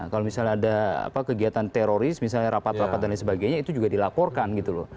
kalau misalnya ada kegiatan teroris misalnya rapat rapat dan lain sebagainya itu juga dilaporkan gitu loh